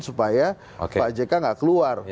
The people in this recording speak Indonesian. supaya pak jk nggak keluar